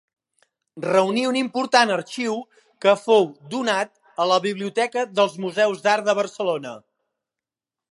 Reuní un important arxiu que fou donat a la Biblioteca dels Museus d’Art de Barcelona.